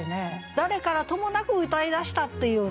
誰からともなく歌い出したっていうね